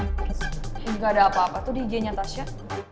gak ada apa apa tuh di ig nya tasha